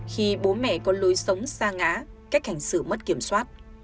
khi bố mẹ có lối sống xa ngã cách hành xử mất kiểm soát